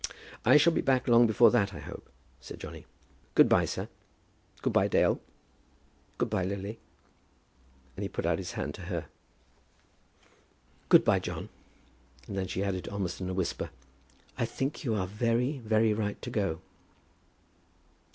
"I shall be back long before that, I hope," said Johnny. "Good by, sir. Good by, Dale. Good by, Lily." And he put out his hand to her. "Good by, John." And then she added, almost in a whisper, "I think you are very, very right to go."